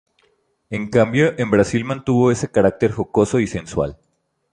En cambio en Brasil mantuvo ese carácter jocoso y sensual.